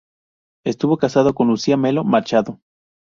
Estuvo casado con Lúcia Melo Machado.